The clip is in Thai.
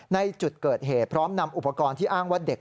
ในจุดเกิดเหตุพร้อมนำอุปกรณ์ที่อ้างว่าเด็ก